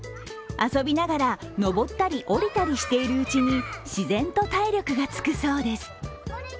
遊びながら登ったり下りたりしているうちに自然と体力がつくそうです。